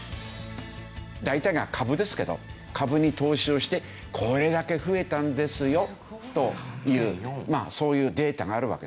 大体が株ですけど株に投資をしてこれだけ増えたんですよというそういうデータがあるわけですね。